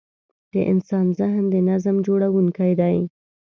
د انسان ذهن د نظم جوړوونکی دی.